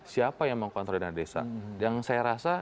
siapa yang mengontrol dana desa